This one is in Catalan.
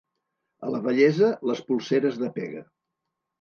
A la vellesa, les polseres de pega.